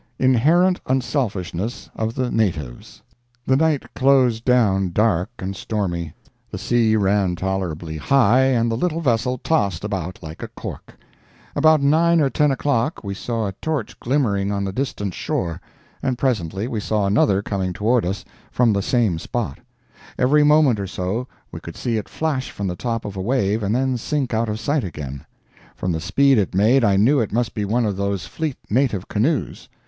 INHERENT UNSELFISHNESS OF THE NATIVES The night closed down dark and stormy. The sea ran tolerably high and the little vessel tossed about like a cork. About nine or ten o'clock we saw a torch glimmering on the distant shore, and presently we saw another coming toward us from the same spot; every moment or so we could see it flash from the top of a wave and then sink out of sight again. From the speed it made I knew it must be one of those fleet native canoes.